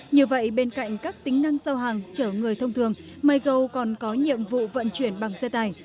như vậy bên cạnh các tính năng giao hàng chở người thông thường mygo còn có nhiệm vụ vận chuyển bằng xe tải